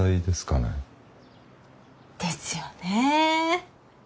ですよね。